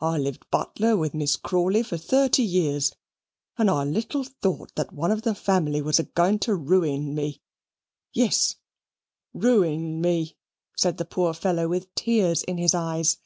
I lived butler with Miss Crawley for thirty years; and I little thought one of that family was a goin' to ruing me yes, ruing me" said the poor fellow with tears in his eyes.